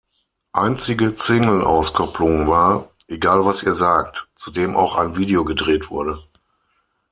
Einzige Singleauskopplung war „Egal was ihr sagt“, zu dem auch ein Video gedreht wurde.